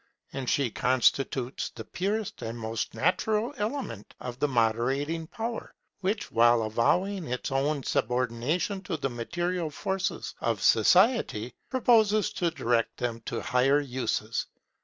And she constitutes the purest and most natural element of the moderating power; which, while avowing its own subordination to the material forces of society, purposes to direct them to higher uses.